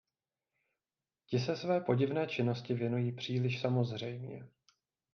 Ti se své podivné činnosti věnují příliš samozřejmě.